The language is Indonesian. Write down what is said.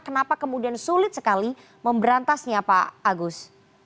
kenapa kemudian sulit sekali memberantasnya pak agus